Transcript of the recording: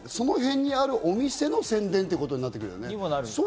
その辺にあるお店の宣伝っていうことになってくるよね。